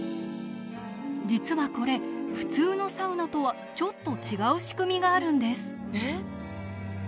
実はこれ普通のサウナとはちょっと違う仕組みがあるんです。